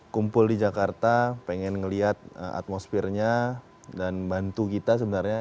kumpul di jakarta pengen ngeliat atmosfernya dan bantu kita sebenarnya